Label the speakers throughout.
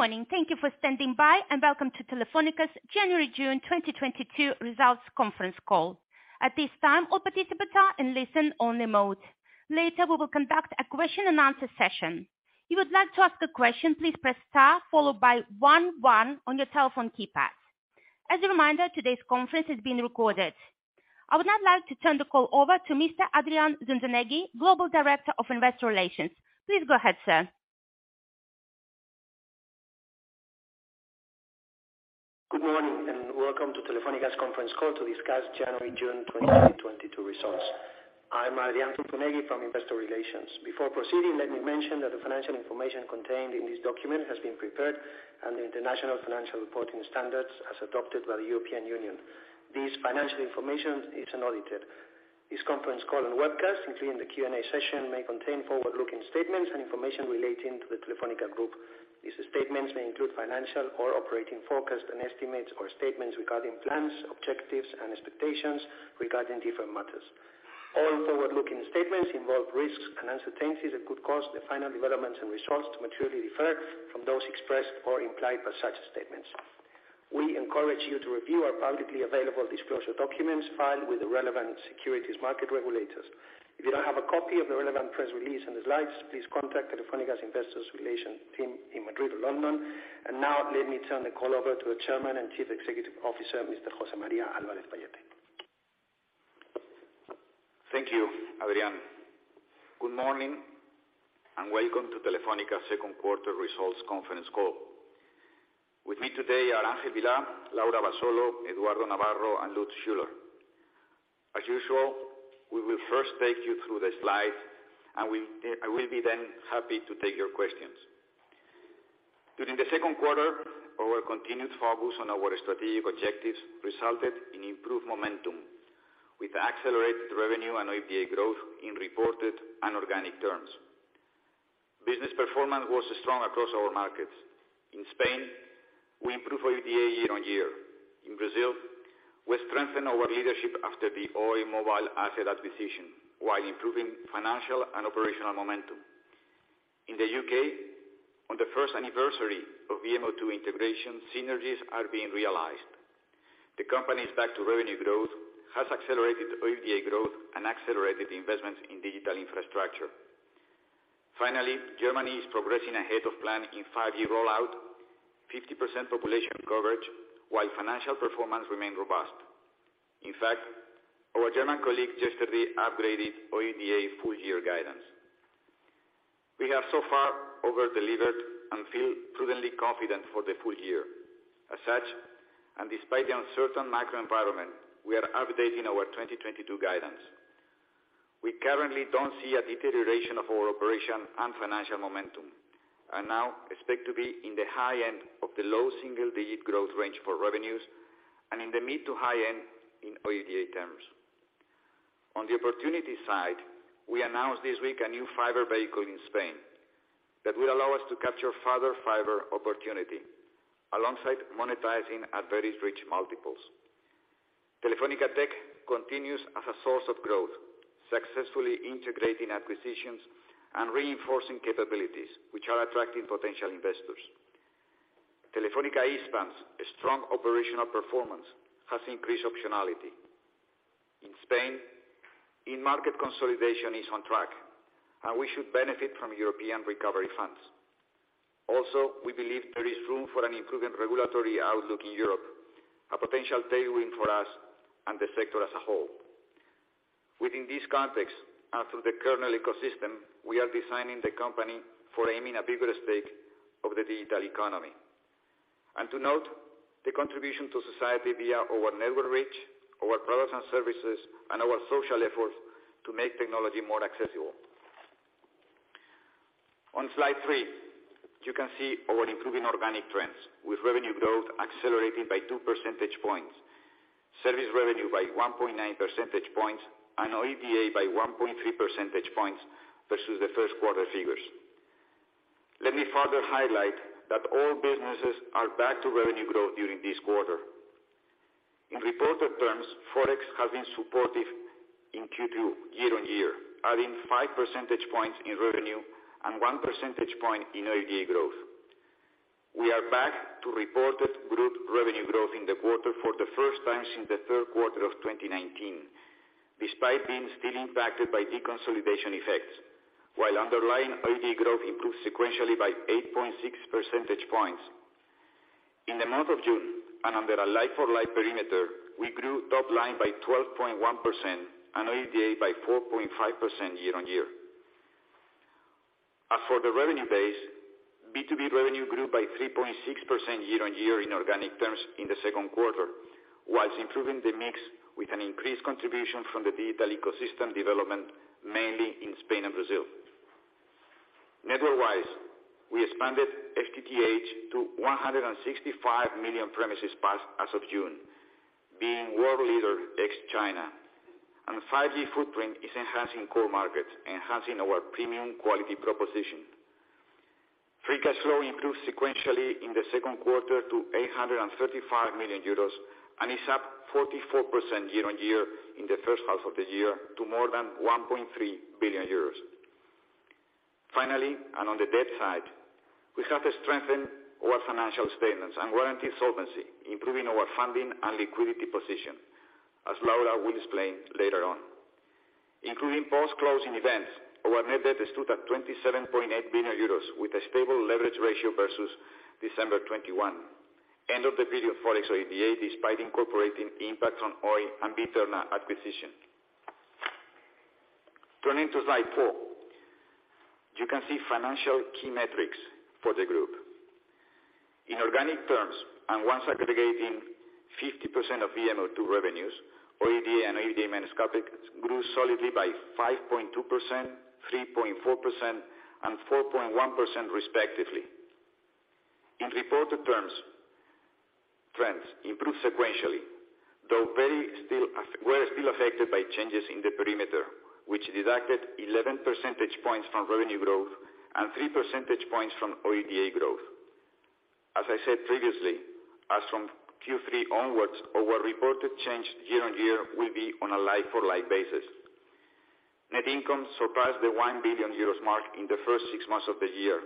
Speaker 1: Good morning. Thank you for standing by, and welcome to Telefónica's January-June 2022 results conference call. At this time, all participants are in listen-only mode. Later, we will conduct a question and answer session. If you would like to ask a question, please press star followed by one one on your telephone keypad. As a reminder, today's conference is being recorded. I would now like to turn the call over to Mr. Adrián Zunzunegui, Global Director of Investor Relations. Please go ahead, sir.
Speaker 2: Good morning and welcome to Telefónica's conference call to discuss January-June 2022 results. I'm Adrián Zunzunegui from Investor Relations. Before proceeding, let me mention that the financial information contained in this document has been prepared under International Financial Reporting Standards as adopted by the European Union. This financial information is unaudited. This conference call and webcast, including the Q&A session, may contain forward-looking statements and information relating to the Telefónica Group. These statements may include financial or operating forecasts and estimates or statements regarding plans, objectives and expectations regarding different matters. All forward-looking statements involve risks and uncertainties that could cause the final developments and results to materially differ from those expressed or implied by such statements. We encourage you to review our publicly available disclosure documents filed with the relevant securities market regulators. If you don't have a copy of the relevant press release and the slides, please contact Telefónica's Investor Relations team in Madrid or London. Now, let me turn the call over to the Chairman and Chief Executive Officer, Mr. José María Álvarez-Pallete.
Speaker 3: Thank you, Adrián. Good morning and welcome to Telefónica's second quarter results conference call. With me today are Ángel Vilá, Laura Abasolo, Eduardo Navarro and Lutz Schüler. As usual, we will first take you through the slides and I will be then happy to take your questions. During the second quarter, our continued focus on our strategic objectives resulted in improved momentum with accelerated revenue and OIBDA growth in reported and organic terms. Business performance was strong across our markets. In Spain, we improved OIBDA year-over-year. In Brazil, we strengthened our leadership after the Oi Mobile asset acquisition while improving financial and operational momentum. In the U.K., on the first anniversary of the VMO2 integration, synergies are being realized. The company is back to revenue growth has accelerated OIBDA growth and accelerated investments in digital infrastructure. Finally, Germany is progressing ahead of plan in five-year rollout, 50% population coverage, while financial performance remain robust. In fact, our German colleague yesterday upgraded OIBDA full-year guidance. We have so far over-delivered and feel prudently confident for the full year. As such, and despite the uncertain macro environment, we are updating our 2022 guidance. We currently don't see a deterioration of our operational and financial momentum, and now expect to be in the high end of the low single-digit growth range for revenues and in the mid- to high-end in OIBDA terms. On the opportunity side, we announced this week a new fiber vehicle in Spain that will allow us to capture further fiber opportunity alongside monetizing at very rich multiples. Telefónica Tech continues as a source of growth, successfully integrating acquisitions and reinforcing capabilities which are attracting potential investors. Telefónica Hispam strong operational performance has increased optionality. In Spain, in-market consolidation is on track, and we should benefit from European recovery funds. Also, we believe there is room for an improving regulatory outlook in Europe, a potential tailwind for us and the sector as a whole. Within this context and through the Kernel ecosystem, we are designing the company for aiming a bigger stake of the digital economy. To note the contribution to society via our network reach, our products and services, and our social efforts to make technology more accessible. On slide three, you can see our improving organic trends with revenue growth accelerating by 2 percentage points, service revenue by 1.9 percentage points, and OIBDA by 1.3 percentage points versus the first quarter figures. Let me further highlight that all businesses are back to revenue growth during this quarter. In reported terms, FX has been supportive in Q2 year-on-year, adding 5 percentage points in revenue and 1 percentage point in OIBDA growth. We are back to reported group revenue growth in the quarter for the first time since the third quarter of 2019, despite being still impacted by deconsolidation effects, while underlying OIBDA growth improved sequentially by 8.6 percentage points. In the month of June, under a like-for-like perimeter, we grew top line by 12.1% and OIBDA by 4.5% year-on-year. As for the revenue base, B2B revenue grew by 3.6% year-on-year in organic terms in the second quarter, while improving the mix with an increased contribution from the digital ecosystem development, mainly in Spain and Brazil. Network-wise, we expanded FTTH to 165 million premises passed as of June, being world leader ex-China. 5G footprint is enhancing core markets, enhancing our premium quality proposition. Free cash flow improved sequentially. In the second quarter to 835 million euros, and is up 44% year-on-year in the first half of the year to more than 1.3 billion euros. Finally, and on the debt side, we have to strengthen our financial statements and warrant solvency, improving our funding and liquidity position, as Laura will explain later on. Including post-closing events, our net debt stood at 27.8 billion euros, with a stable leverage ratio versus December 2021. End-of-period FX OIBDA, despite incorporating impact on Oi and BE-terna acquisition. Turning to slide four. You can see financial key metrics for the group. In organic terms, once aggregating 50% of VMO2 revenues, OIBDA and OIBDA minus CapEx grew solidly by 5.2%, 3.4%, and 4.1% respectively. In reported terms, trends improved sequentially, though were still affected by changes in the perimeter, which deducted 11 percentage points from revenue growth and 3 percentage points from OIBDA growth. As I said previously, as from Q3 onwards, our reported change year-on-year will be on a like-for-like basis. Net income surpassed the 1 billion euros mark in the first six months of the year,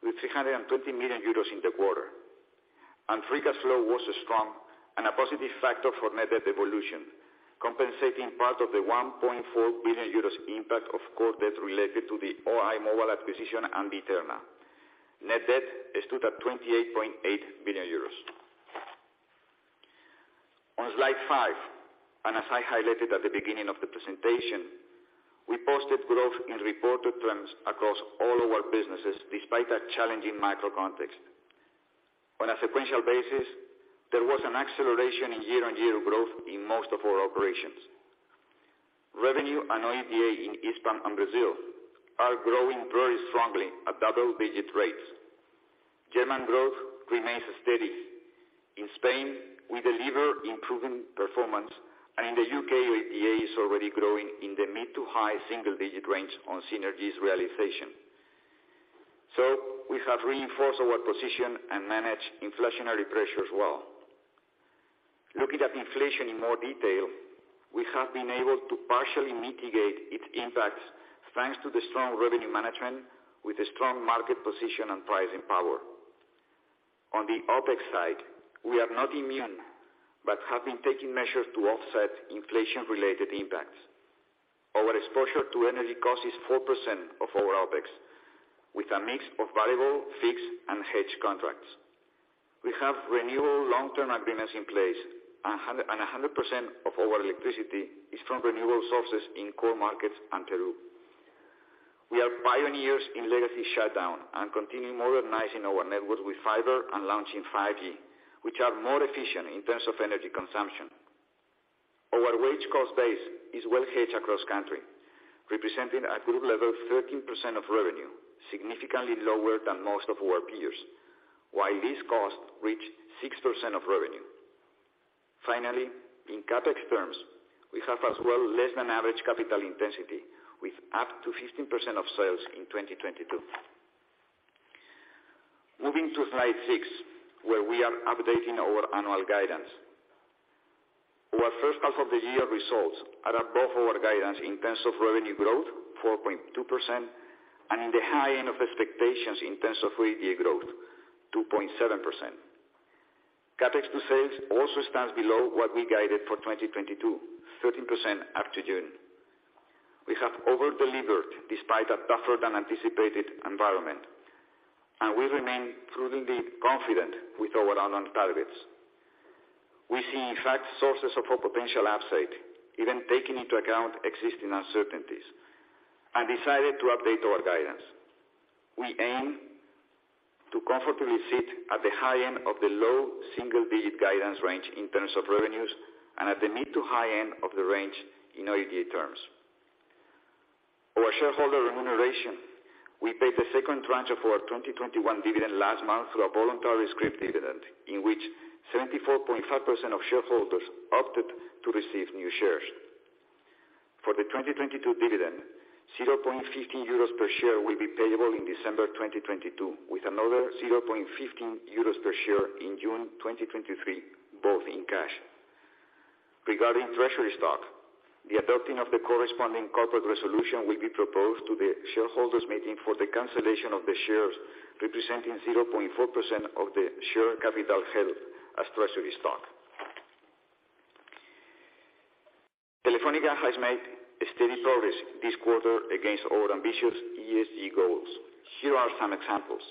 Speaker 3: with 320 million euros in the quarter. Free cash flow was strong and a positive factor for net debt evolution, compensating part of the 1.4 billion euros impact of core debt related to the Oi Mobile acquisition and BE-terna. Net debt stood at 28.8 billion euros. On slide five, and as I highlighted at the beginning of the presentation, we posted growth in reported trends across all our businesses, despite a challenging macro context. On a sequential basis, there was an acceleration in year-on-year growth in most of our operations. Revenue and OIBDA in Hispam and Brazil are growing very strongly at double-digit rates. German growth remains steady. In Spain, we deliver improving performance, and in the U.K., OIBDA is already growing in the mid- to high-single-digit range on synergies realization. We have reinforced our position and managed inflationary pressure as well. Looking at inflation in more detail, we have been able to partially mitigate its impacts thanks to the strong revenue management with a strong market position and pricing power. On the OpEx side, we are not immune, but have been taking measures to offset inflation-related impacts. Our exposure to energy cost is 4% of our OpEx, with a mix of variable, fixed, and hedged contracts. We have renewable long-term agreements in place, and a hundred percent of our electricity is from renewable sources in core markets and Peru. We are pioneers in legacy shutdown and continue modernizing our networks with fiber and launching 5G, which are more efficient in terms of energy consumption. Our wage cost base is well hedged across country, representing a group level 13% of revenue, significantly lower than most of our peers, while this cost reached 6% of revenue. Finally, in CapEx terms, we have as well less than average capital intensity with up to 15% of sales in 2022. Moving to slide six, where we are updating our annual guidance. Our first half of the year results are above our guidance in terms of revenue growth, 4.2%, and in the high end of expectations in terms of OIBDA growth, 2.7%. CapEx to sales also stands below what we guided for 2022, 13% up to June. We have over-delivered despite a tougher than anticipated environment, and we remain truly confident with our annual targets. We see, in fact, sources of a potential upside, even taking into account existing uncertainties, and decided to update our guidance. We aim to comfortably sit at the high end of the low single-digit guidance range in terms of revenues and at the mid to high end of the range in OIBDA terms. Our shareholder remuneration. We paid the second tranche of our 2021 dividend last month through a voluntary scrip dividend, in which 74.5% of shareholders opted to receive new shares. For the 2022 dividend, 0.15 euros per share will be payable in December 2022, with another 0.15 euros per share in June 2023, both in cash. Regarding treasury stock, the adoption of the corresponding corporate resolution will be proposed to the shareholders meeting for the cancellation of the shares, representing 0.4% of the share capital held as treasury stock. Telefónica has made a steady progress this quarter against our ambitious ESG goals. Here are some examples.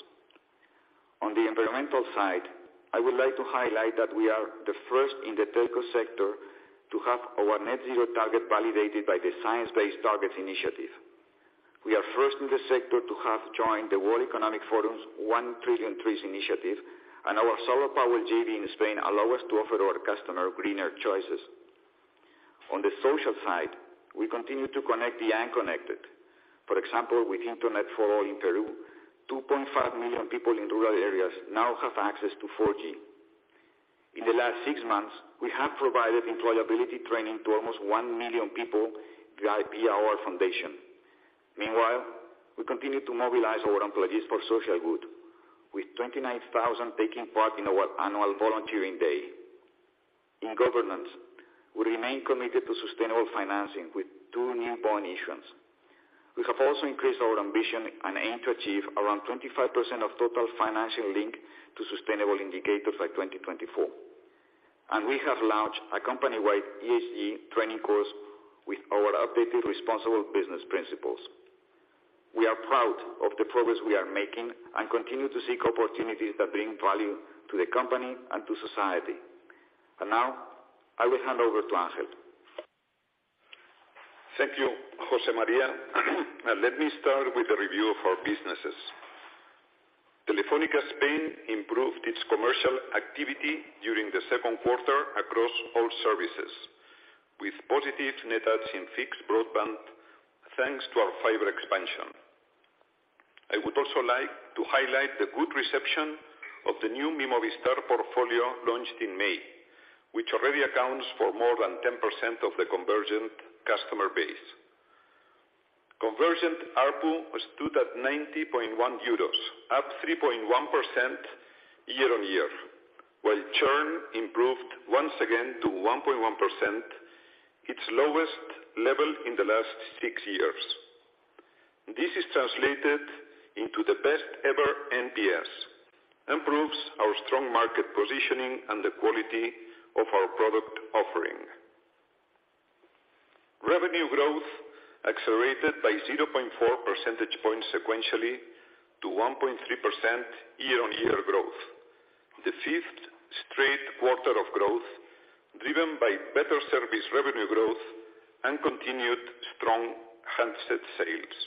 Speaker 3: On the environmental side, I would like to highlight that we are the first in the telco sector to have our net zero target validated by the Science Based Targets initiative. We are first in the sector to have joined the World Economic Forum's 1t.org initiative, and our solar power JV in Spain allow us to offer our customer greener choices. On the social side, we continue to connect the unconnected. For example, with Internet for All in Peru, 2.5 million people in rural areas now have access to 4G. In the last six months, we have provided employability training to almost 1 million people via our foundation. Meanwhile, we continue to mobilize our employees for social good, with 29,000 taking part in our annual volunteering day. In governance, we remain committed to sustainable financing with two new bond issuance. We have also increased our ambition and aim to achieve around 25% of total financing linked to sustainable indicators by 2024. We have launched a company-wide ESG training course with our updated responsible business principles. We are proud of the progress we are making and continue to seek opportunities that bring value to the company and to society. Now, I will hand over to Ángel.
Speaker 4: Thank you, José María. Now let me start with a review of our businesses. Telefónica Spain improved its commercial activity during the second quarter across all services, with positive net adds in fixed broadband, thanks to our fiber expansion. I would also like to highlight the good reception of the new Mi Movistar portfolio launched in May, which already accounts for more than 10% of the convergent customer base. Convergent ARPU stood at 90.1 euros, up 3.1% year-on-year, while churn improved once again to 1.1%, its lowest level in the last six years. This is translated into the best ever NPS, and proves our strong market positioning and the quality of our product offering. Revenue growth accelerated by 0.4 percentage points sequentially to 1.3% year-on-year growth, the fifth straight quarter of growth driven by better service revenue growth and continued strong handset sales.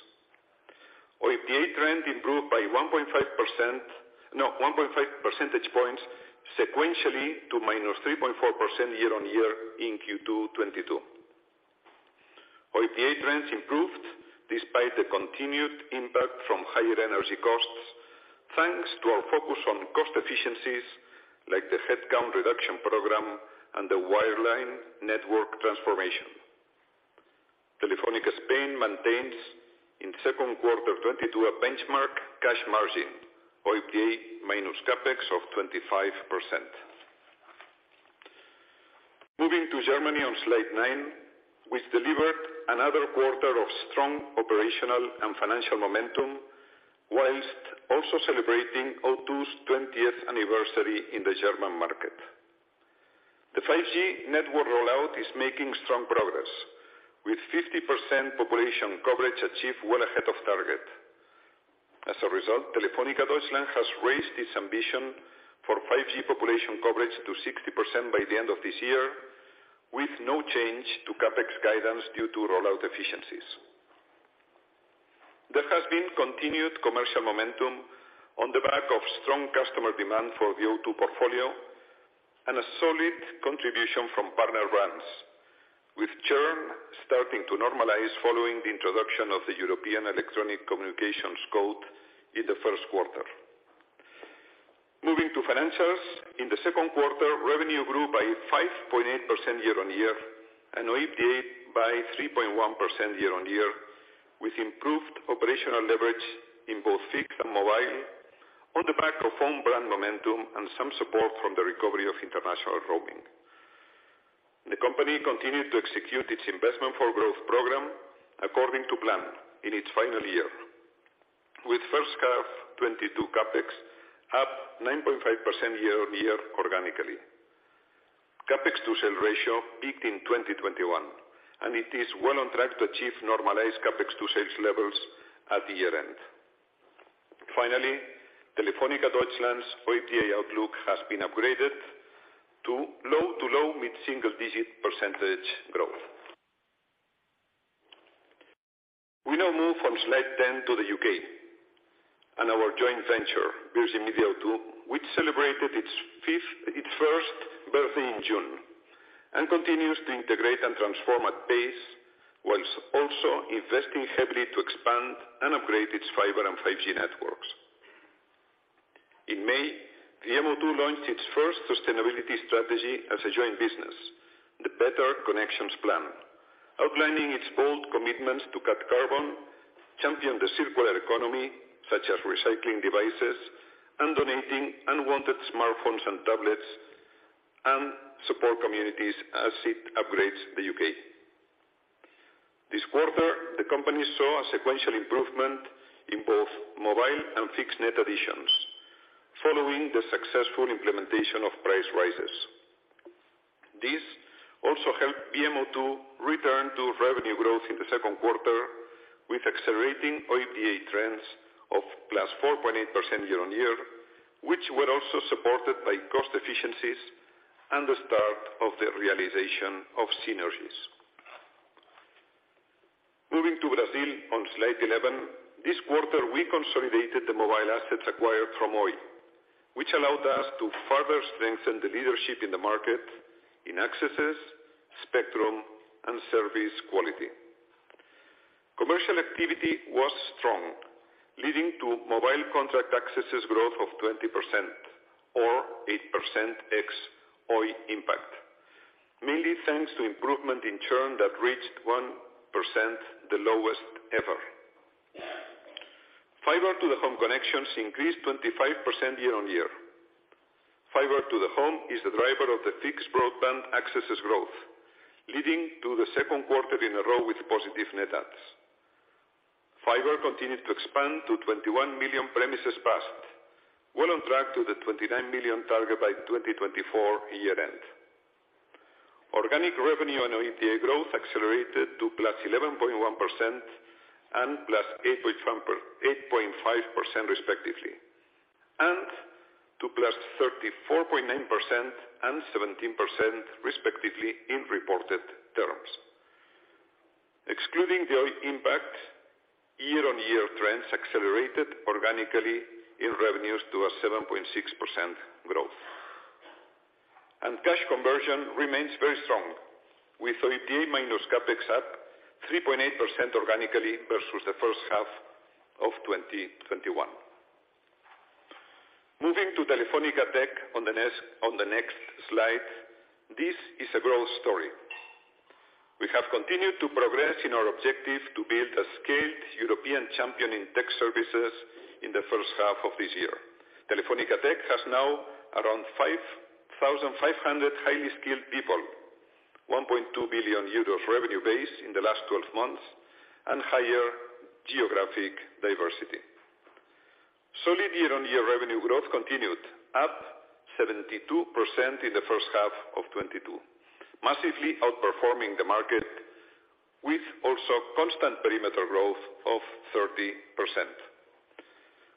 Speaker 4: OIBDA trend improved by 1.5 percentage points sequentially to -3.4% year-on-year in Q2 2022. OIBDA trends improved despite the continued impact from higher energy costs, thanks to our focus on cost efficiencies like the headcount reduction program and the wireline network transformation. Telefónica Spain maintains, in second quarter 2022, a benchmark cash margin, OIBDA minus CapEx of 25%. Moving to Germany on slide nine, we've delivered another quarter of strong operational and financial momentum while also celebrating O2's 20th anniversary in the German market. The 5G network rollout is making strong progress, with 50% population coverage achieved well ahead of target. As a result, Telefónica Deutschland has raised its ambition for 5G population coverage to 60% by the end of this year, with no change to CapEx guidance due to rollout efficiencies. There has been continued commercial momentum on the back of strong customer demand for the VMO2 portfolio and a solid contribution from partner brands, with churn starting to normalize following the introduction of the European Electronic Communications Code in the first quarter. Moving to financials, in the second quarter, revenue grew by 5.8% year-on-year and OIBDA by 3.1% year-on-year, with improved operational leverage in both fixed and mobile on the back of own brand momentum and some support from the recovery of international roaming. The company continued to execute its investment for growth program according to plan in its final year, with first half 2022 CapEx up 9.5% year-on-year organically. CapEx to sales ratio peaked in 2021, and it is well on track to achieve normalized CapEx to sales levels at year-end. Finally, Telefónica Deutschland's OIBDA outlook has been upgraded to low- to low-mid single-digit % growth. We now move from slide 10 to the U.K. and our joint venture, Virgin Media O2, which celebrated its first birthday in June and continues to integrate and transform at pace while also investing heavily to expand and upgrade its fiber and 5G networks. In May, VMO2 launched its first sustainability strategy as a joint business, the Better Connections Plan, outlining its bold commitments to cut carbon, champion the circular economy, such as recycling devices and donating unwanted smartphones and tablets, and support communities as it upgrades the U.K. This quarter, the company saw a sequential improvement in both mobile and fixed net additions following the successful implementation of price rises. This also helped VMO2 return to revenue growth in the second quarter with accelerating OIBDA trends of +4.8% year-on-year, which were also supported by cost efficiencies and the start of the realization of synergies. Moving to Brazil on slide 11. This quarter, we consolidated the mobile assets acquired from Oi, which allowed us to further strengthen the leadership in the market in accesses, spectrum, and service quality. Commercial activity was strong, leading to mobile contract accesses growth of 20% or 8% ex Oi impact. Mainly thanks to improvement in churn that reached 1%, the lowest ever. Fiber-to-the-home connections increased 25% year-over-year. Fiber-to-the-home is the driver of the fixed broadband accesses growth, leading to the second quarter in a row with positive net adds. Fiber continued to expand to 21 million premises passed, well on track to the 29 million target by 2024 year end. Organic revenue and OIBDA growth accelerated to +11.1% and +8.5% respectively, and to +34.9% and 17% respectively in reported terms. Excluding the OIBDA impact, year-on-year trends accelerated organically in revenues to a 7.6% growth. Cash conversion remains very strong with OIBDA minus CapEx up 3.8% organically versus the first half of 2021. Moving to Telefónica Tech on the next slide. This is a growth story. We have continued to progress in our objective to build a scaled European champion in tech services in the first half of this year. Telefónica Tech has now around 5,500 highly skilled people, 1.2 billion euros revenue base in the last twelve months, and higher geographic diversity. Solid year-on-year revenue growth continued, up 72% in the first half of 2022. Massively outperforming the market with also constant perimeter growth of 30%.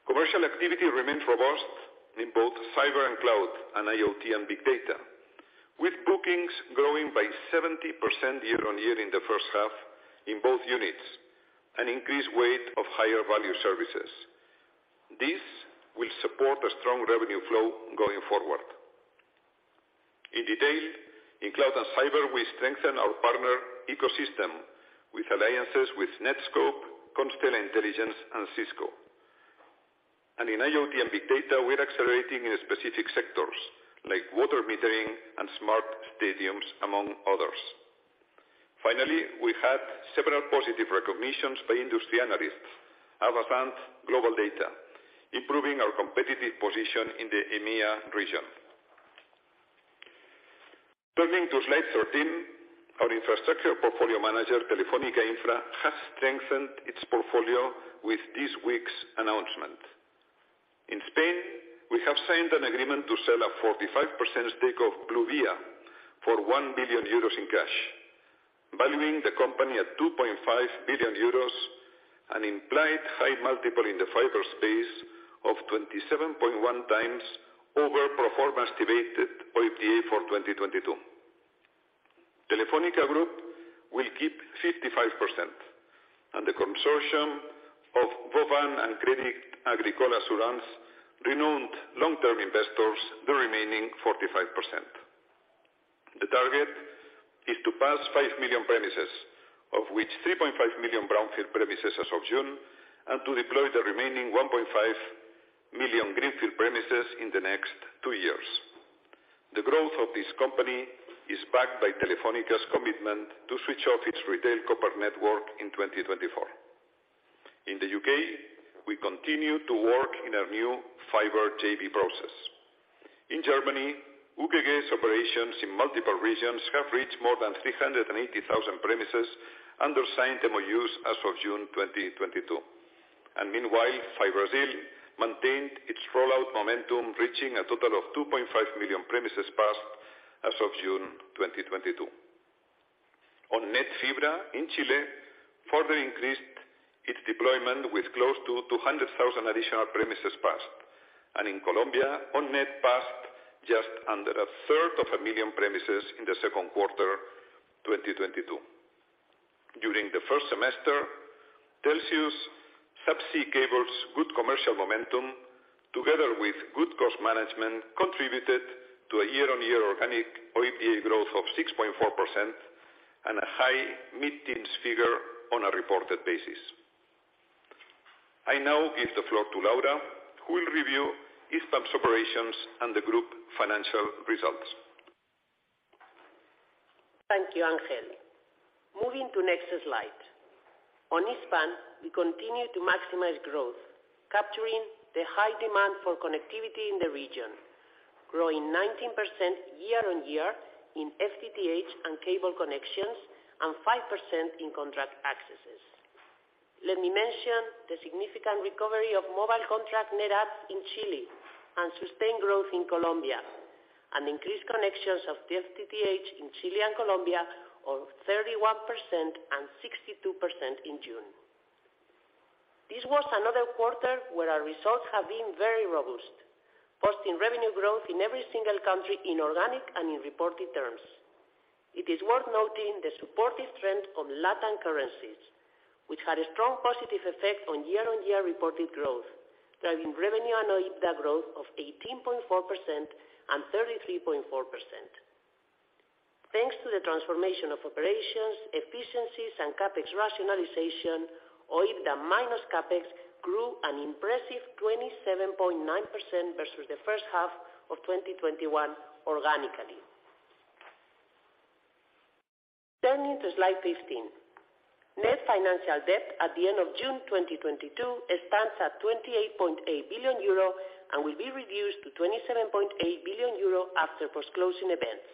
Speaker 4: Commercial activity remains robust in both cyber and cloud and IoT and Big Data, with bookings growing by 70% year-on-year in the first half in both units, an increased weight of higher value services. This will support a strong revenue flow going forward. In detail, in cloud and cyber, we strengthen our partner ecosystem with alliances with Netskope, Constella Intelligence and Cisco. In IoT and Big Data, we're accelerating in specific sectors like water metering and smart stadiums, among others. Finally, we had several positive recognitions by industry analysts, advanced GlobalData, improving our competitive position in the EMEA region. Turning to slide 13, our infrastructure portfolio manager, Telefónica Infra, has strengthened its portfolio with this week's announcement. In Spain, we have signed an agreement to sell a 45% stake of Bluevia for 1 billion euros in cash, valuing the company at 2.5 billion euros, an implied high multiple in the fiber space of 27.1x over pro forma estimated OIBDA for 2022. Telefónica Group will keep 55%, and the consortium of Vauban and Crédit Agricole Assurances, renowned long-term investors, the remaining 45%. The target is to pass 5 million premises, of which 3.5 million brownfield premises as of June, and to deploy the remaining 1.5 million greenfield premises in the next two years. The growth of this company is backed by Telefónica's commitment to switch off its retail copper network in 2024. In the U.K., we continue to work in our new fiber JV process. In Germany, UGG's operations in multiple regions have reached more than 380,000 premises under signed MOUs as of June 2022. Meanwhile, FiBrasil maintained its rollout momentum, reaching a total of 2.5 million premises passed as of June 2022. ON*NET Fibra in Chile further increased its deployment with close to 200,000 additional premises passed. In Colombia, ON*NET passed just under a third of a million premises in the second quarter 2022. During the first semester, Telxius subsea cables' good commercial momentum, together with good cost management, contributed to a year-on-year organic OIBDA growth of 6.4% and a high mid-teens figure on a reported basis. I now give the floor to Laura, who will review Hispam's operations and the group financial results.
Speaker 5: Thank you, Ángel. Moving to next slide. On Hispam, we continue to maximize growth, capturing the high demand for connectivity in the region, growing 19% year-over-year in FTTH and cable connections and 5% in contract accesses. Let me mention the significant recovery of mobile contract net adds in Chile and sustained growth in Colombia, and increased connections of FTTH in Chile and Colombia of 31% and 62% in June. This was another quarter where our results have been very robust, posting revenue growth in every single country in organic and in reported terms. It is worth noting the supportive trend of Latin currencies, which had a strong positive effect on year-on-year reported growth, driving revenue and OIBDA growth of 18.4% and 33.4%. Thanks to the transformation of operations, efficiencies and CapEx rationalization, OIBDA minus CapEx grew an impressive 27.9% versus the first half of 2021 organically. Turning to slide 15. Net financial debt at the end of June 2022 stands at 28.8 billion euro and will be reduced to 27.8 billion euro after post-closing events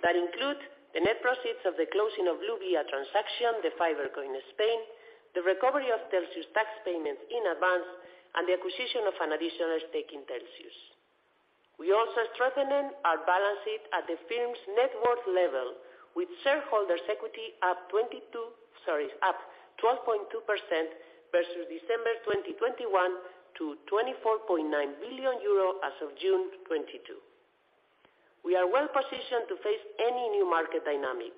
Speaker 5: that include the net proceeds of the closing of Bluevia transaction, the fiber co in Spain, the recovery of Telxius tax payment in advance, and the acquisition of an additional stake in Telxius. We also are strengthening our balance sheet at the firm's network level, with shareholders equity up 22. Sorry, up 12.2% versus December 2021 to 24.9 billion euro as of June 2022. We are well positioned to face any new market dynamic.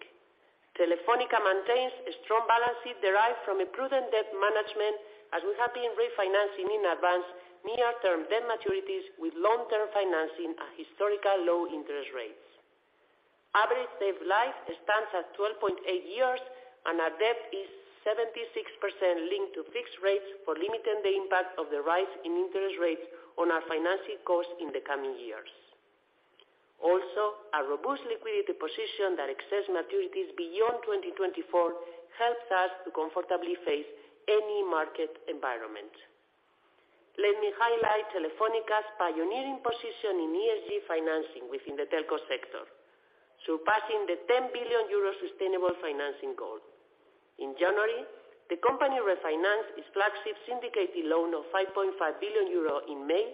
Speaker 5: Telefónica maintains a strong balance sheet derived from a prudent debt management, as we have been refinancing in advance near-term debt maturities with long-term financing at historical low interest rates. Average debt life stands at 12.8 years, and our debt is 76% linked to fixed rates for limiting the impact of the rise in interest rates on our financing costs in the coming years. Also, a robust liquidity position that exceeds maturities beyond 2024 helps us to comfortably face any market environment. Let me highlight Telefónica's pioneering position in ESG financing within the telco sector, surpassing the 10 billion euro sustainable financing goal. In January, the company refinanced its flagship syndicated loan of 5.5 billion euro in May,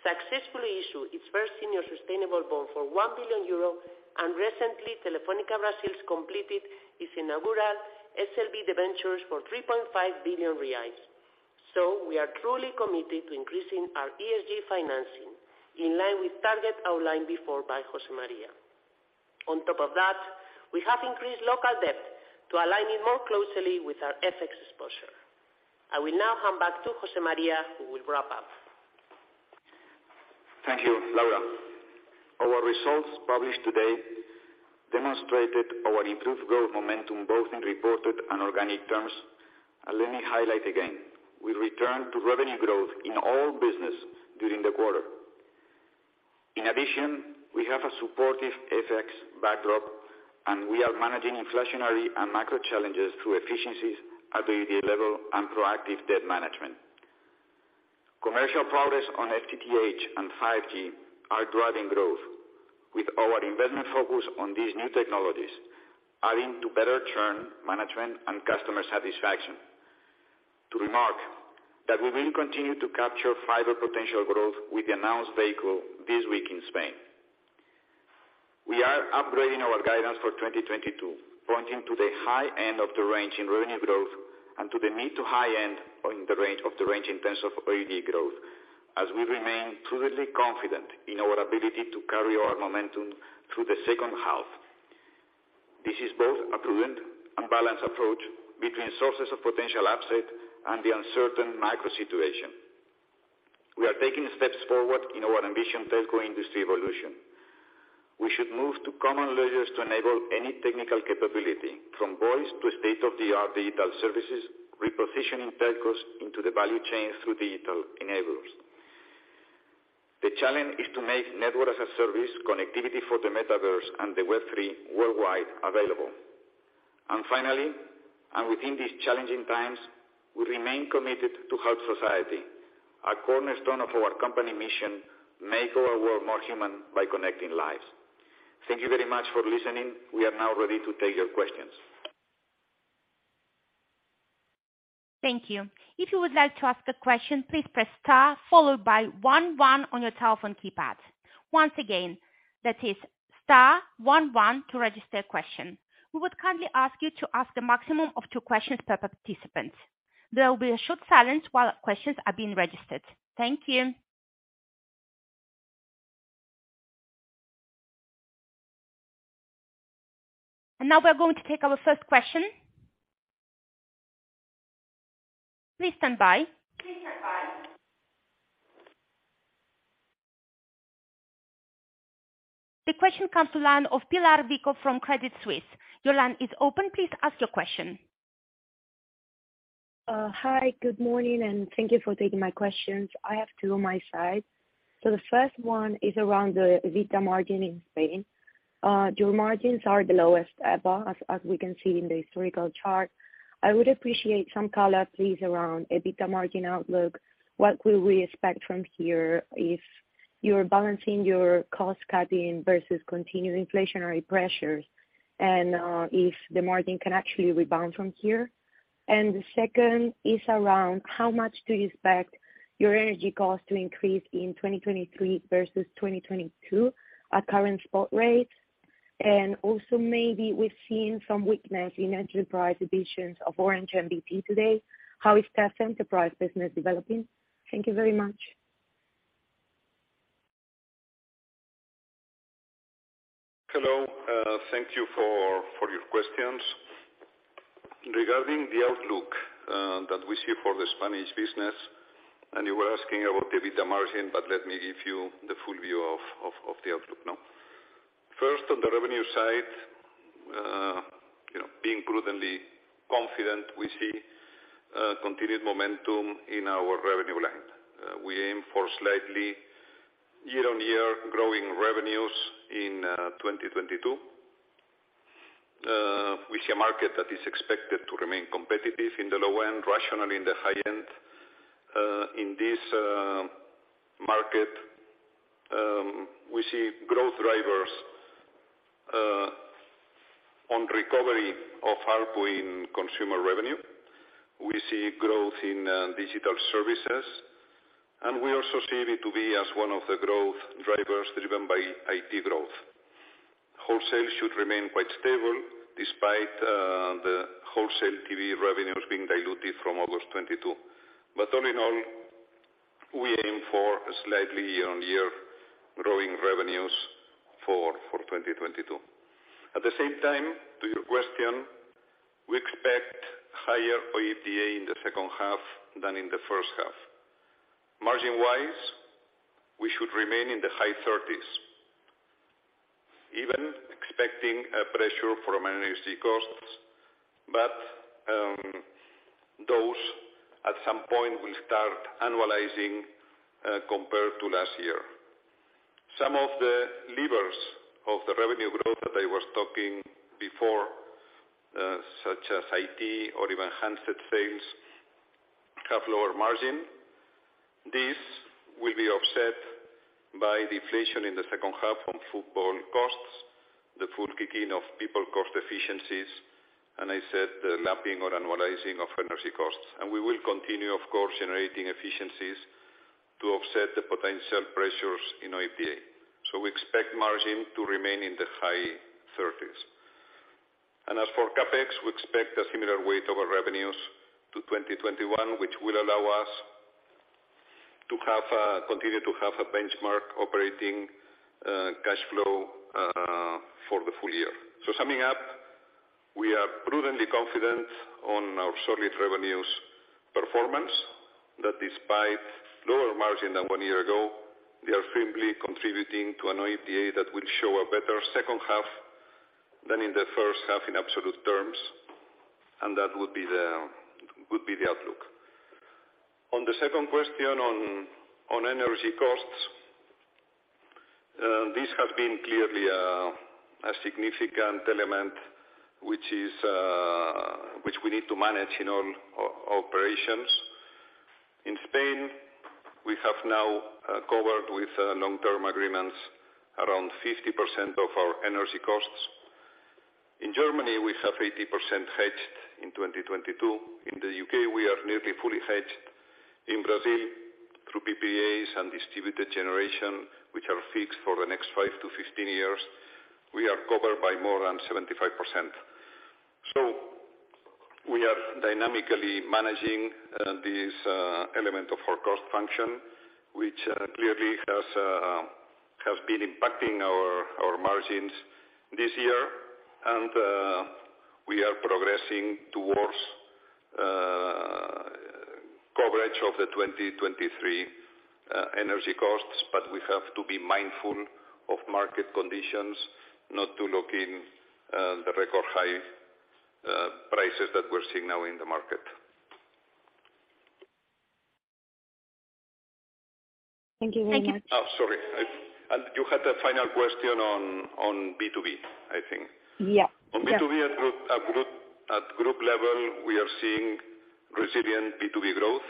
Speaker 5: successfully issued its first senior sustainable bond for 1 billion euro, and recently, Telefónica Brasil completed its inaugural SLB debentures for 3.5 billion reais. We are truly committed to increasing our ESG financing in line with target outlined before by José María. On top of that, we have increased local debt to align it more closely with our FX exposure. I will now hand back to José María, who will wrap up.
Speaker 3: Thank you, Laura. Our results published today demonstrated our improved growth momentum, both in reported and organic terms. Let me highlight again, we return to revenue growth in all business during the quarter. In addition, we have a supportive FX backdrop, and we are managing inflationary and macro challenges through efficiencies at the activity level and proactive debt management. Commercial progress on FTTH and 5G are driving growth with our investment focus on these new technologies, adding to better churn management and customer satisfaction. To remark that we will continue to capture fiber potential growth with the announced vehicle this week in Spain. We are upgrading our guidance for 2022, pointing to the high end of the range in revenue growth and to the mid to high end of the range in terms of OIBDA growth, as we remain truly confident in our ability to carry our momentum through the second half. This is both a prudent and balanced approach between sources of potential upside and the uncertain macro situation. We are taking steps forward in our ambition telco industry evolution. We should move to common layers to enable any technical capability from voice to state-of-the-art digital services, repositioning telcos into the value chain through digital enablers. The challenge is to make Network-as-a-Service connectivity for the metaverse and the Web3 worldwide available. Finally, and within these challenging times, we remain committed to help society, a cornerstone of our company mission, make our world more human by connecting lives. Thank you very much for listening. We are now ready to take your questions.
Speaker 1: Thank you. If you would like to ask a question, please press star followed by one one on your telephone keypad. Once again, that is star one one to register a question. We would kindly ask you to ask a maximum of two questions per participant. There will be a short silence while questions are being registered. Thank you. Now we are going to take our first question. Please stand by. The question comes from the line of Pilar Vico from Credit Suisse. Your line is open, please ask your question.
Speaker 6: Hi, good morning, and thank you for taking my questions. I have two on my side. The first one is around the EBITDA margin in Spain. Your margins are the lowest ever, as we can see in the historical chart. I would appreciate some color, please, around EBITDA margin outlook. What could we expect from here if you're balancing your cost-cutting versus continued inflationary pressures and if the margin can actually rebound from here? The second is around how much do you expect your energy costs to increase in 2023 versus 2022 at current spot rates? Also, maybe we've seen some weakness in enterprise divisions of Orange B2B today. How is that enterprise business developing? Thank you very much.
Speaker 4: Hello. Thank you for your questions. Regarding the outlook that we see for the Spanish business, and you were asking about the EBITDA margin, but let me give you the full view of the outlook now. First, on the revenue side, you know, being prudently confident, we see continued momentum in our revenue line. We aim for slightly year-on-year growing revenues in 2022. We see a market that is expected to remain competitive in the low-end, rational in the high-end. In this market, we see growth drivers on recovery of ARPU in consumer revenue. We see growth in digital services, and we also see it to be as one of the growth drivers driven by IT growth. Wholesale should remain quite stable despite the wholesale TV revenues being diluted from August 2022. All in all, we aim for slightly year-on-year growing revenues for 2022. At the same time, to your question, we expect higher OIBDA in the second half than in the first half. Margin-wise, we should remain in the high 30s%, even expecting a pressure from energy costs, but those at some point will start annualizing compared to last year. Some of the levers of the revenue growth that I was talking before, such as IT or even handset sales, have lower margin. This will be offset by deflation in the second half on football costs, the fully kicking in of people cost efficiencies, and as I said the lapping or annualizing of energy costs. We will continue, of course, generating efficiencies to offset the potential pressures in OIBDA. We expect margin to remain in the high 30s. As for CapEx, we expect a similar weight over revenues to 2021, which will allow us to have continue to have a benchmark operating cash flow for the full year. Summing up, we are prudently confident on our solid revenues performance that despite lower margin than one year ago, they are firmly contributing to an OIBDA that will show a better second half than in the first half in absolute terms, and that would be the outlook. On the second question on energy costs, this has been clearly a significant element which we need to manage in all operations. In Spain, we have now covered with long-term agreements around 50% of our energy costs. In Germany, we have 80% hedged in 2022. In the U.K., we are nearly fully hedged. In Brazil, through PPAs and distributed generation, which are fixed for the next five to 15 years, we are covered by more than 75%. We are dynamically managing this element of our cost function, which clearly has been impacting our margins this year. We are progressing towards coverage of the 2023 energy costs, but we have to be mindful of market conditions not to lock in the record high prices that we're seeing now in the market.
Speaker 6: Thank you very much.
Speaker 4: Oh, sorry. You had a final question on B2B, I think.
Speaker 6: Yeah.
Speaker 4: On B2B, at group level, we are seeing resilient B2B growth.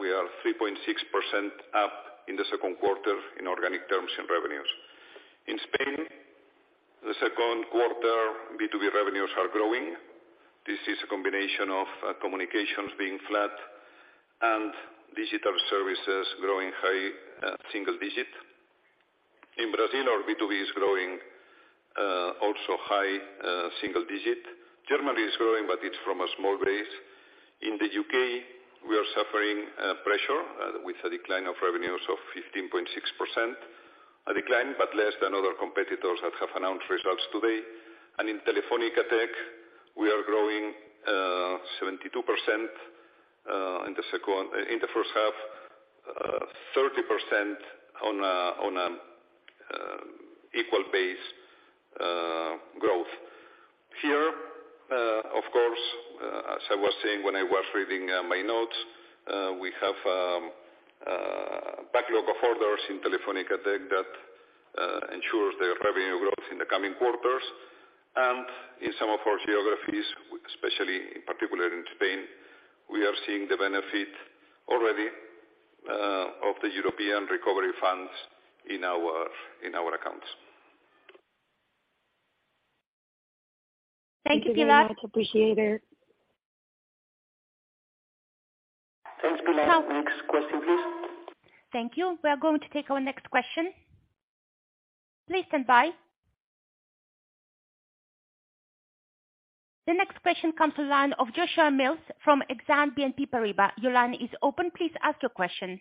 Speaker 4: We are 3.6% up in the second quarter in organic terms in revenues. In Spain, the second quarter B2B revenues are growing. This is a combination of communications being flat and digital services growing high single digit. In Brazil, our B2B is growing also high single digit. Germany is growing, but it's from a small base. In the U.K., we are suffering pressure with a decline of revenues of 15.6%, a decline, but less than other competitors that have announced results today. In Telefónica Tech, we are growing 72% in the first half, 30% on a equal base growth. Here, of course, as I was saying when I was reading my notes, we have backlog of orders in Telefónica Tech that ensures their revenue growth in the coming quarters. In some of our geographies, especially in particular in Spain, we are seeing the benefit already of the European recovery funds in our accounts.
Speaker 6: Thank you. We much appreciate it.
Speaker 1: Can we take the next question, please? Thank you. We are going to take our next question. Please stand by. The next question comes from the line of Joshua Mills from Exane BNP Paribas. Your line is open. Please ask your question.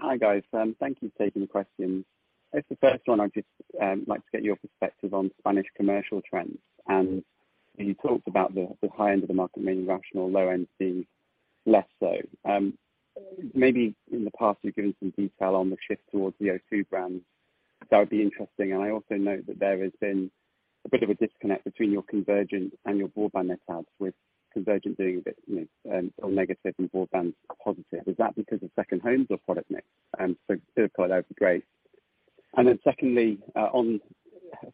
Speaker 7: Hi, guys. Thank you for taking the questions. As the first one, I'd just like to get your perspective on Spanish commercial trends. You talked about the high end of the market, meaning rational, low end, the less so. Maybe in the past, you've given some detail on the shift towards the O2 brands. That would be interesting. I also know that there has been a bit of a disconnect between your convergent and your broadband net adds, with convergent being a bit or negative and broadband positive. Is that because of second homes or product mix? Clear call out would be great. Then secondly, on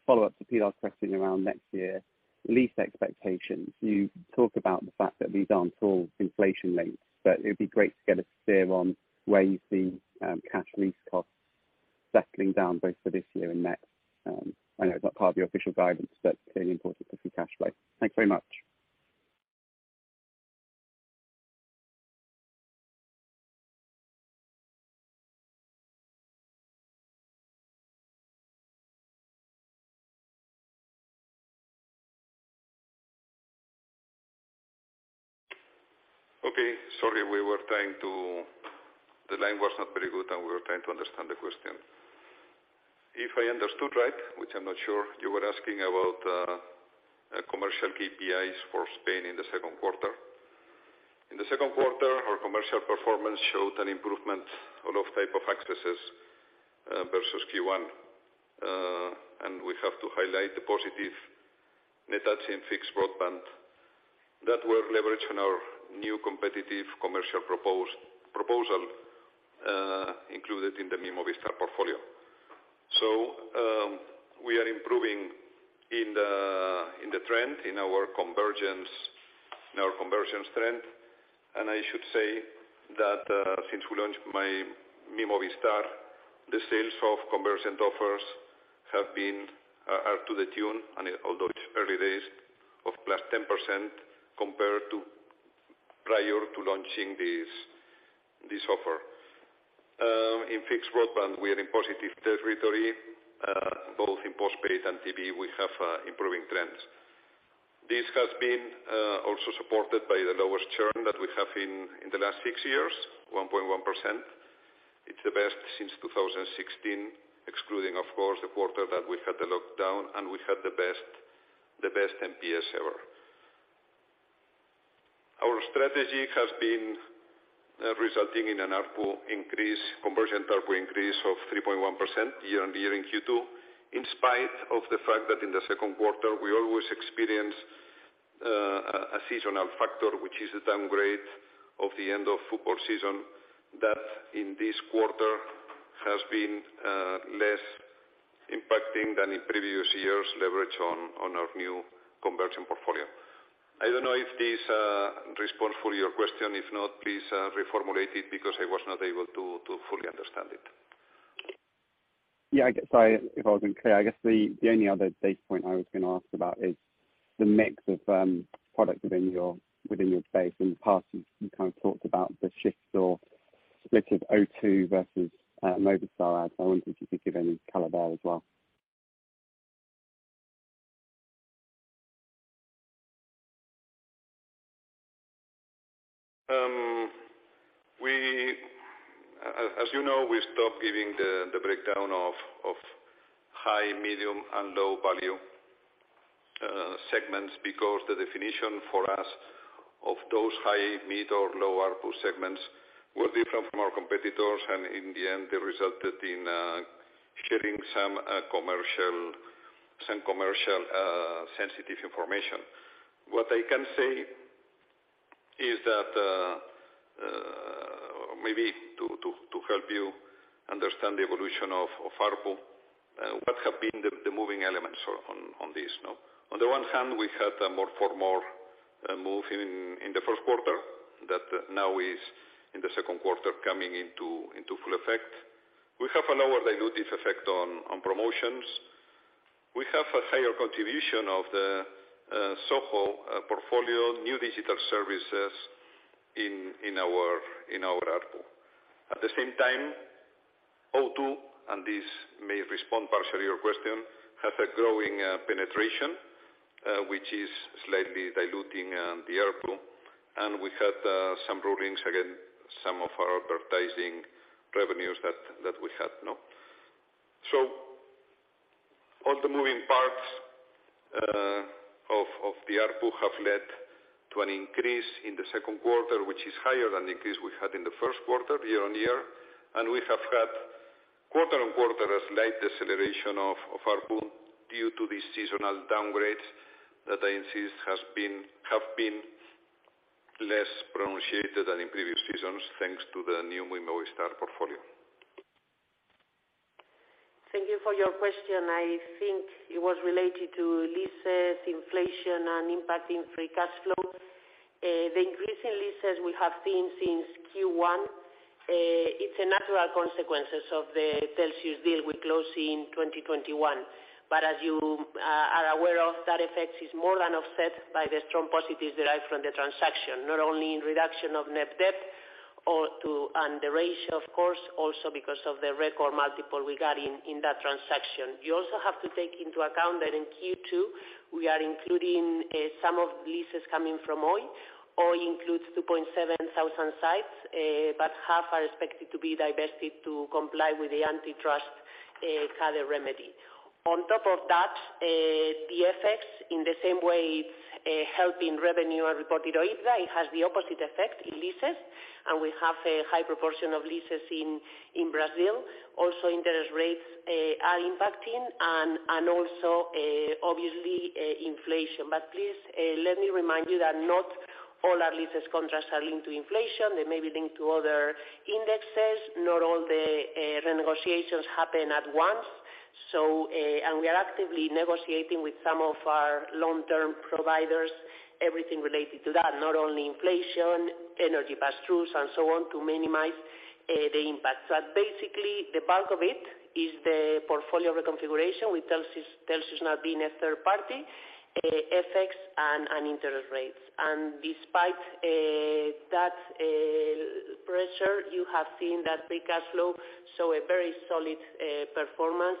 Speaker 7: follow-up to Pilar's question around next year, lease expectations. You talk about the fact that these aren't all inflation linked, but it'd be great to get a steer on where you see, cash lease costs settling down both for this year and next. I know it's not part of your official guidance, but clearly important for free cash flow. Thanks very much.
Speaker 4: Okay. Sorry, we were trying to understand the question. If I understood right, which I'm not sure, you were asking about commercial KPIs for Spain in the second quarter. In the second quarter, our commercial performance showed an improvement all of type of accesses versus Q1. We have to highlight the positive net adds in fixed broadband that were leveraged in our new competitive commercial proposal included in the Mi Movistar portfolio. We are improving in the trend in our convergence trend. I should say that since we launched Mi Movistar, the sales of convergent offers are to the tune, and although it's early days, of +10% compared to prior to launching this offer. In fixed broadband, we are in positive territory. Both in postpaid and TV, we have improving trends. This has been also supported by the lowest churn that we have in the last six years, 1.1%. It's the best since 2016, excluding, of course, the quarter that we had the lockdown, and we had the best NPS ever. Our strategy has been resulting in an ARPU increase, convergent ARPU increase of 3.1% year-on-year in Q2, in spite of the fact that in the second quarter, we always experience a seasonal factor, which is the downgrade of the end of football season. That in this quarter has been less impacting than in previous years, leverage on our new convergent portfolio. I don't know if this respond fully your question. If not, please reformulate it because I was not able to fully understand it.
Speaker 7: Yeah, I guess if I wasn't clear, I guess the only other data point I was gonna ask about is the mix of products within your base. In the past, you kind of talked about the shifts or split of O2 versus Mi Movistar adds. I wondered if you could give any color there as well.
Speaker 4: As you know, we stopped giving the breakdown of high, medium, and low value segments because the definition for us of those high, mid, or low ARPU segments were different from our competitors. In the end, they resulted in sharing some commercially sensitive information. What I can say is that maybe to help you understand the evolution of ARPU, what have been the moving elements on this, no? On the one hand, we had a more for more move in the first quarter that now is in the second quarter coming into full effect. We have a lower dilutive effect on promotions. We have a higher contribution of the SoHo portfolio, new digital services in our ARPU. At the same time, O2, and this may respond partially to your question, has a growing penetration, which is slightly diluting the ARPU. We had some rulings against some of our advertising revenues that we had, no? All the moving parts of the ARPU have led to an increase in the second quarter, which is higher than the increase we had in the first quarter year-on-year. We have had quarter-on-quarter a slight deceleration of ARPU due to the seasonal downgrades that I insist have been less pronounced than in previous seasons, thanks to the new Mi Movistar portfolio.
Speaker 5: Thank you for your question. I think it was related to leases, inflation, and impact in free cash flow. The increase in leases we have seen since Q1, it's a natural consequence of the Telxius deal we closed in 2021. As you are aware of, that effect is more than offset by the strong positives derived from the transaction, not only in reduction of net debt. The ratio, of course, also because of the record multiple we got in that transaction. You also have to take into account that in Q2, we are including some of the leases coming from Oi. Oi includes 2,700 sites, but half are expected to be divested to comply with the antitrust Had a remedy. On top of that, the effects, in the same way, helping revenue and reported OIBDA, it has the opposite effect in leases. We have a high proportion of leases in Brazil. Interest rates are impacting and also obviously inflation. Please let me remind you that not all our lease contracts are linked to inflation. They may be linked to other indexes. Not all the renegotiations happen at once. We are actively negotiating with some of our long-term providers, everything related to that, not only inflation, energy pass-throughs and so on, to minimize the impact. Basically the bulk of it is the portfolio reconfiguration with Telxius now being a third party, FX and interest rates. Despite that pressure, you have seen that free cash flow show a very solid performance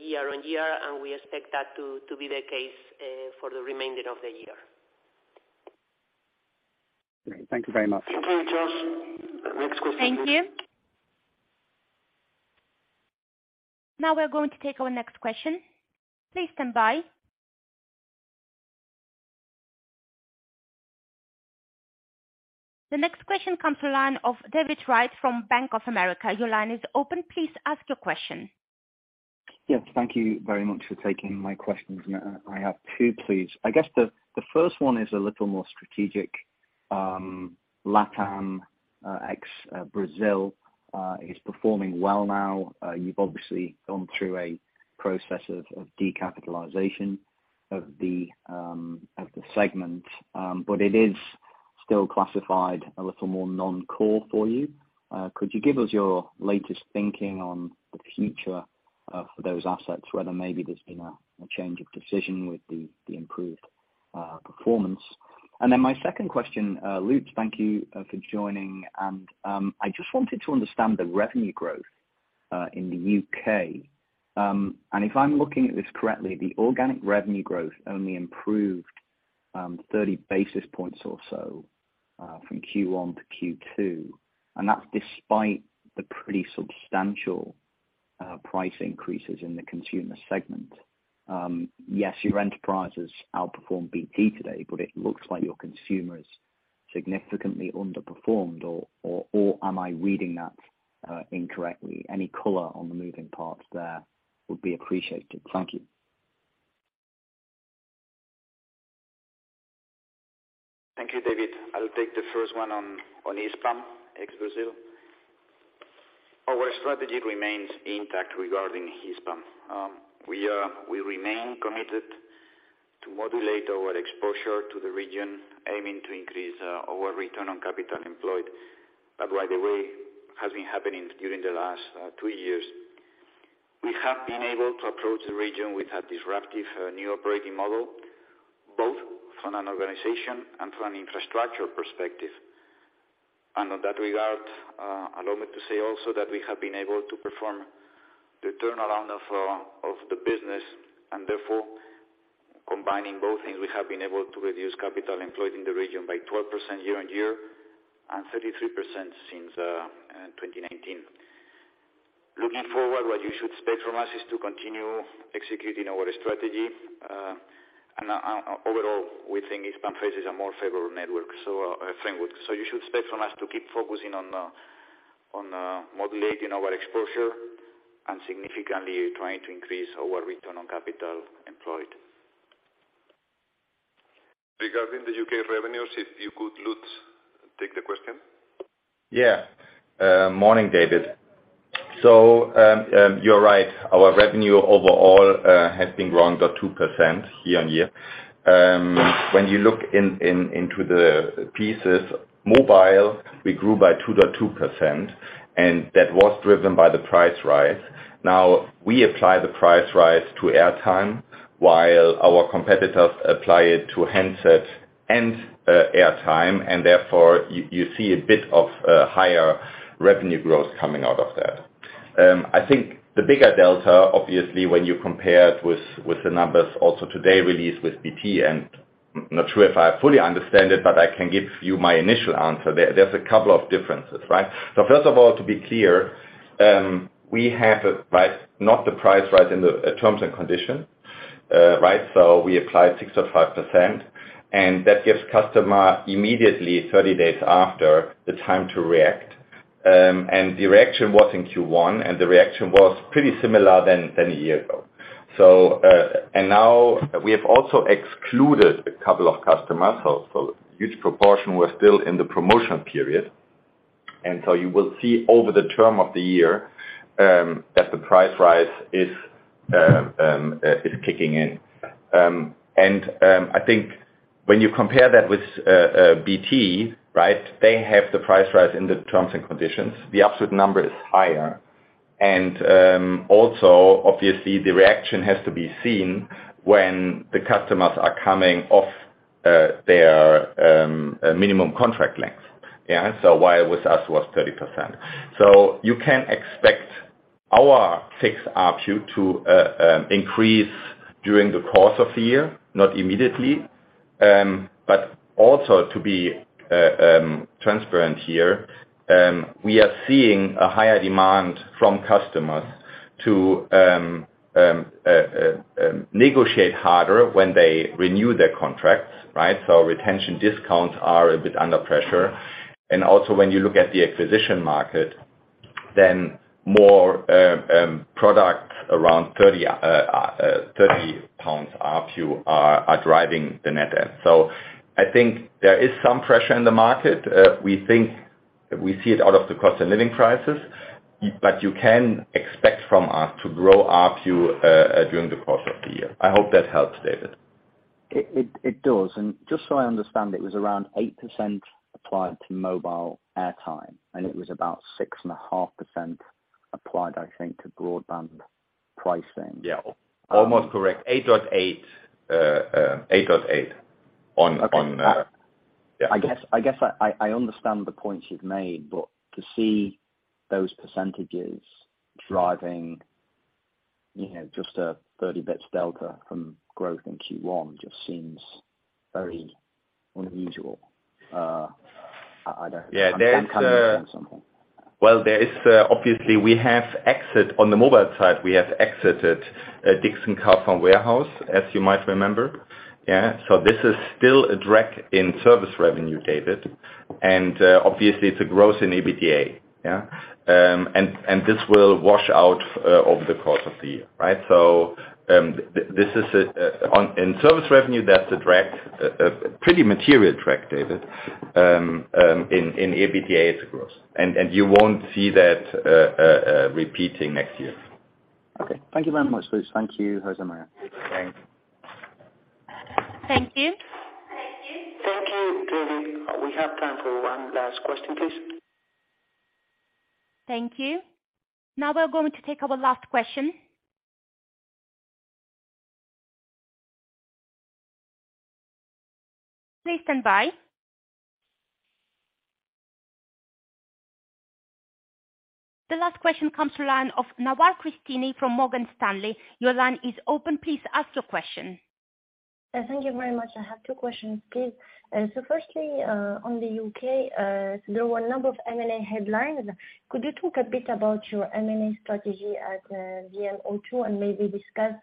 Speaker 5: year-over-year, and we expect that to be the case for the remainder of the year.
Speaker 7: Great. Thank you very much.
Speaker 3: Thank you, Joshua. Next question.
Speaker 1: Thank you. Now we're going to take our next question. Please stand by. The next question comes to line of David Wright from Bank of America. Your line is open. Please ask your question.
Speaker 8: Yes, thank you very much for taking my questions. I have two, please. I guess the first one is a little more strategic. LatAm ex Brazil is performing well now. You've obviously gone through a process of decapitalization of the segment, but it is still classified a little more non-core for you. Could you give us your latest thinking on the future for those assets, whether maybe there's been a change of decision with the improved performance? Then my second question, Lutz, thank you for joining. I just wanted to understand the revenue growth in the U.K. If I'm looking at this correctly, the organic revenue growth only improved 30 basis points or so from Q1 to Q2, and that's despite the pretty substantial price increases in the consumer segment. Yes, your enterprises outperformed BT today, but it looks like your consumers significantly underperformed. Or am I reading that incorrectly? Any color on the moving parts there would be appreciated. Thank you.
Speaker 3: Thank you, David. I'll take the first one on Hispam, ex-Brazil. Our strategy remains intact regarding Hispam. We remain committed to modulate our exposure to the region, aiming to increase our return on capital employed. The way it has been happening during the last two years. We have been able to approach the region with a disruptive new operating model, both from an organization and from an infrastructure perspective. In that regard, allow me to say also that we have been able to perform the turnaround of the business and therefore combining both things, we have been able to reduce capital employed in the region by 12% year-on-year and 33% since 2019. Looking forward, what you should expect from us is to continue executing our strategy. Overall, we think Hispam faces a more favorable network framework. You should expect from us to keep focusing on modulating our exposure and significantly trying to increase our return on capital employed. Regarding the U.K. revenues, if you could, Lutz, take the question.
Speaker 9: Morning, David. You're right. Our revenue overall has been growing 2% year-on-year. When you look into the pieces, mobile, we grew by 2.2%, and that was driven by the price rise. Now, we apply the price rise to airtime while our competitors apply it to handsets and airtime, and therefore you see a bit of higher revenue growth coming out of that. I think the bigger delta, obviously when you compare it with the numbers also today released with BT, and not sure if I fully understand it, but I can give you my initial answer there. There's a couple of differences, right? First of all, to be clear, we have a right, not the price right in the terms and conditions, right? We applied 6.5%, and that gives customer immediately 30 days after the time to react. The reaction was in Q1, and the reaction was pretty similar than a year ago. Now we have also excluded a couple of customers. Huge proportion were still in the promotion period. You will see over the term of the year that the price rise is kicking in. I think when you compare that with BT, right? They have the price rise in the terms and conditions. The absolute number is higher. Also, obviously the reaction has to be seen when the customers are coming off their minimum contract length. Yeah. While with us was 30%. You can expect our fixed ARPU to increase during the course of the year, not immediately. Also to be transparent here, we are seeing a higher demand from customers to negotiate harder when they renew their contracts, right? Retention discounts are a bit under pressure. Also when you look at the acquisition market, then more products around 30 pounds ARPU are driving the net add. I think there is some pressure in the market. We think we see it out of the cost of living crisis, but you can expect from us to grow ARPU during the course of the year. I hope that helps, David.
Speaker 8: It does. Just so I understand, it was around 8% applied to mobile airtime, and it was about 6.5% applied, I think, to broadband pricing.
Speaker 9: Yeah. Almost correct. 8.8% on, yeah.
Speaker 8: I guess I understand the points you've made, but to see those percentages driving, you know, just a 30 basis points delta from growth in Q1 just seems very unusual. I don't-
Speaker 9: Yeah. There is,
Speaker 8: I'm coming from something.
Speaker 9: Well, there is obviously we have exit. On the mobile side, we have exited Dixons Carphone, as you might remember. Yeah. This is still a drag in service revenue, David. Obviously it's a growth in EBITDA, yeah. This will wash out over the course of the year, right? This is in service revenue, that's a drag, a pretty material drag, David. In EBITDA it's growth. You won't see that repeating next year.
Speaker 8: Okay. Thank you very much, Lutz Thank you, José María.
Speaker 9: Okay.
Speaker 1: Thank you.
Speaker 2: Thank you. Thank you, David. We have time for one last question, please.
Speaker 1: Thank you. Now we're going to take our last question. Please stand by. The last question comes to line of Nawar Cristini from Morgan Stanley. Your line is open. Please ask your question.
Speaker 10: Thank you very much. I have two questions, please. Firstly, on the U.K., there were a number of M&A headlines. Could you talk a bit about your M&A strategy at VMO2 and maybe discuss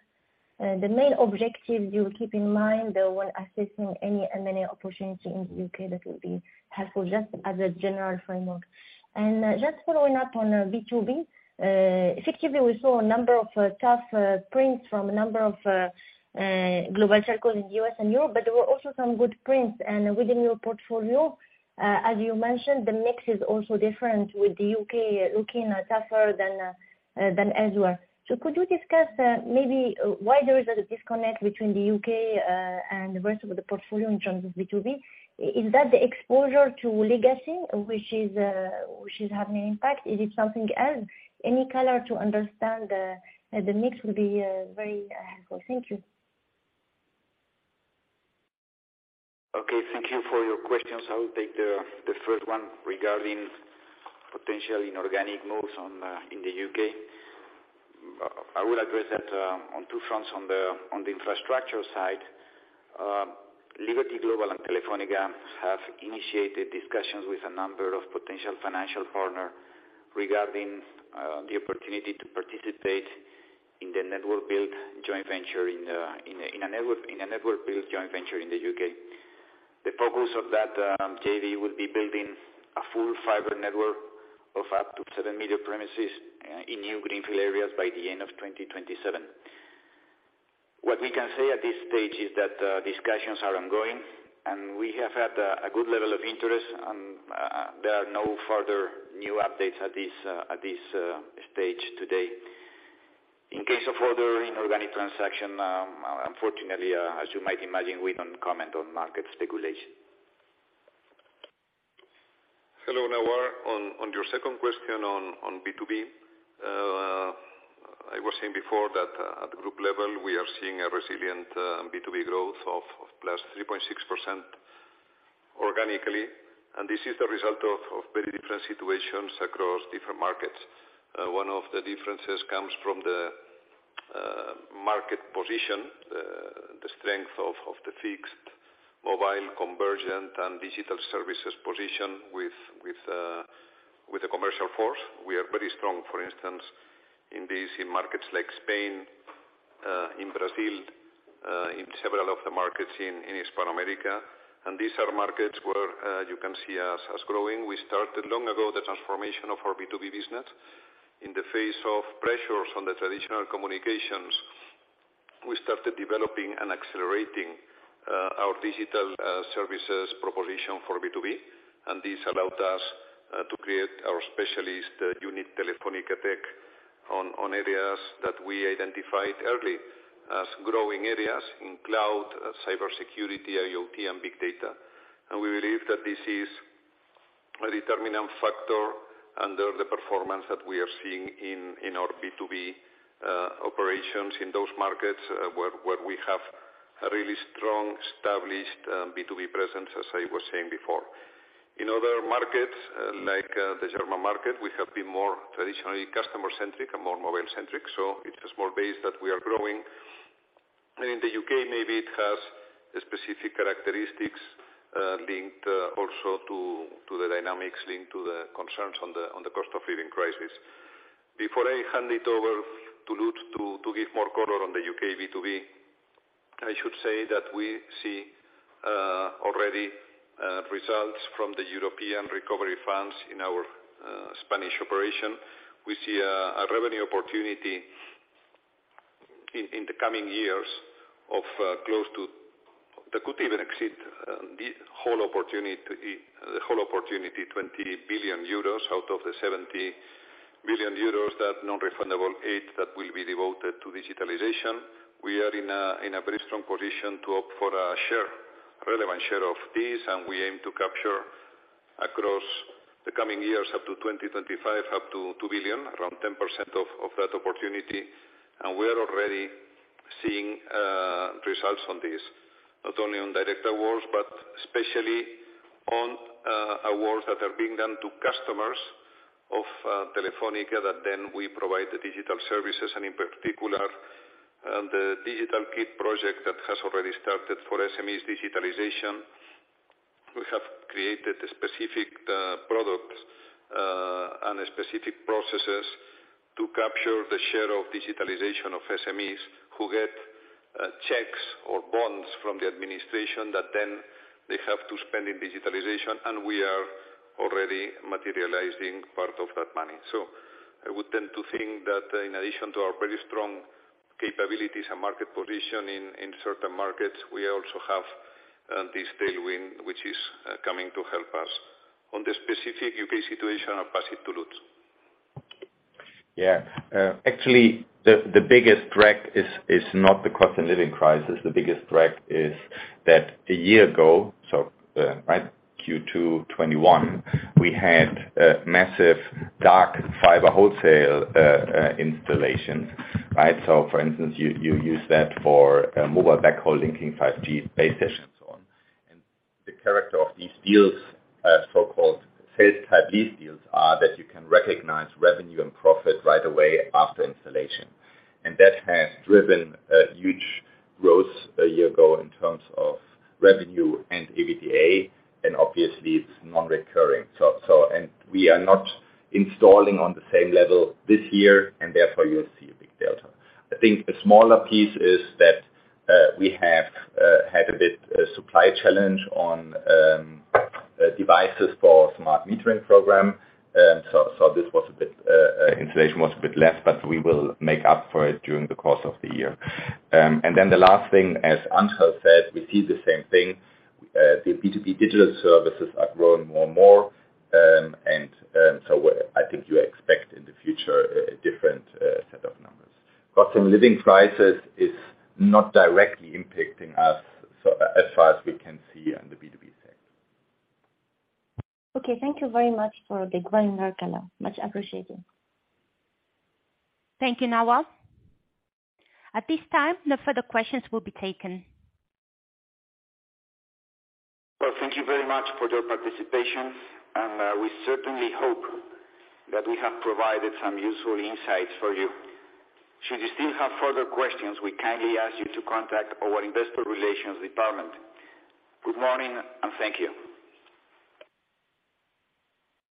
Speaker 10: the main objectives you keep in mind when assessing any M&A opportunity in the U.K. that will be helpful just as a general framework? Just following up on B2B, effectively, we saw a number of tough prints from a number of global circles in the U.S. and Europe, but there were also some good prints. Within your portfolio, as you mentioned, the mix is also different with the U.K. looking tougher than elsewhere. Could you discuss, maybe why there is a disconnect between the U.K. and the rest of the portfolio in terms of B2B? Is that the exposure to legacy, which is having an impact? Is it something else? Any color to understand the mix would be very helpful. Thank you.
Speaker 3: Okay, thank you for your questions. I'll take the first one regarding potential inorganic moves in the U.K. I will address that on two fronts. On the infrastructure side, Liberty Global and Telefónica have initiated discussions with a number of potential financial partner regarding the opportunity to participate in a network build joint venture in the U.K. The focus of that JV will be building a full fiber network of up to 7 million premises in new greenfield areas by the end of 2027. What we can say at this stage is that discussions are ongoing, and we have had a good level of interest. There are no further new updates at this stage today. In case of other inorganic transaction, unfortunately, as you might imagine, we don't comment on market speculation.
Speaker 4: Hello, Nawar. On your second question on B2B, I was saying before that at the group level, we are seeing a resilient B2B growth of +3.6% organically, and this is the result of very different situations across different markets. One of the differences comes from the market position, the strength of the fixed mobile convergent and digital services position with the commercial force. We are very strong, for instance, in markets like Spain, in Brazil, in several of the markets in Hispano-America. These are markets where you can see us as growing. We started long ago the transformation of our B2B business. In the face of pressures on the traditional communications, we started developing and accelerating our digital services proposition for B2B. This allowed us to create our specialist unit, Telefónica Tech, on areas that we identified early as growing areas in cloud, cybersecurity, IoT, and Big Data. We believe that this is a determinant factor under the performance that we are seeing in our B2B operations in those markets, where we have a really strong, established B2B presence, as I was saying before. In other markets, like the German market, we have been more traditionally customer centric and more mobile centric. It's a small base that we are growing. In the U.K., maybe it has specific characteristics, linked also to the dynamics linked to the concerns on the cost of living crisis. Before I hand it over to Lutz to give more color on the U.K. B2B, I should say that we see already results from the European recovery funds in our Spanish operation. We see a revenue opportunity in the coming years of close to. That could even exceed the whole opportunity, 20 billion euros out of the 70 billion euros, that non-refundable aid that will be devoted to digitalization. We are in a very strong position to opt for a relevant share of this, and we aim to capture across the coming years, up to 2025, up to 2 billion, around 10% of that opportunity. We are already seeing results on this, not only on direct awards, but especially on awards that are being done to customers of Telefónica, that then we provide the digital services and in particular, the Kit Digital project that has already started for SMEs digitalization. We have created a specific product and specific processes to capture the share of digitalization of SMEs who get checks or bonds from the administration that then they have to spend in digitalization. We are already materializing part of that money. I would tend to think that in addition to our very strong capabilities and market position in certain markets, we also have this tailwind which is coming to help us. On the specific U.K. situation, I'll pass it to Lutz.
Speaker 9: Actually, the biggest drag is not the cost of living crisis. The biggest drag is that a year ago, Q2 2021, we had a massive dark fiber wholesale installation, right? For instance, you use that for mobile backhaul linking 5G base stations on. The character of these deals, so-called sales-type lease deals, are that you can recognize revenue and profit right away after installation. That has driven a huge growth a year ago in terms of revenue and EBITDA, and obviously it's non-recurring. We are not installing on the same level this year, and therefore you'll see a big delta. I think the smaller piece is that we had a bit of a supply challenge on devices for smart metering program. Inflation was a bit less, but we will make up for it during the course of the year. The last thing, as Angel said, we see the same thing. The B2B digital services are growing more and more. I think you expect in the future a different set of numbers. Cost of living crisis is not directly impacting us, so as far as we can see on the B2B sector.
Speaker 10: Okay. Thank you very much for the granular color. Much appreciated.
Speaker 1: Thank you, Nawar. At this time, no further questions will be taken.
Speaker 3: Well, thank you very much for your participation, and we certainly hope that we have provided some useful insights for you. Should you still have further questions, we kindly ask you to contact our investor relations department. Good morning, and thank you.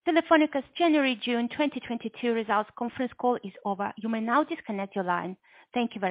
Speaker 1: Telefónica's January-June 2022 results conference call is over. You may now disconnect your line. Thank you very much.